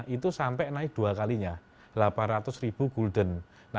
itu sampai naik dua kalinya delapan ratus ribu gulden